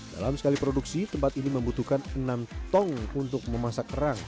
dalam sekali produksi tempat ini membutuhkan enam tong untuk memasak kerang